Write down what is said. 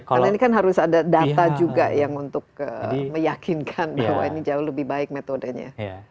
karena ini kan harus ada data juga yang untuk meyakinkan bahwa ini jauh lebih baik metodenya